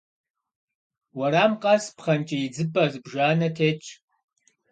Уэрам къэс пхъэнкӏий идзыпӏэ зыбжанэ тетщ.